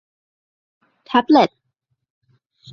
แท็บเลต